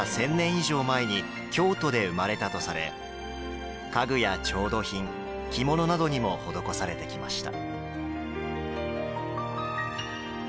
以上前に京都で生まれたとされ家具や調度品、着物などにも施されてきました。